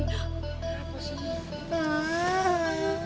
apa sih ini